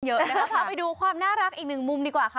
พาไปดูความน่ารักอีกหนึ่งมุมดีกว่าค่ะ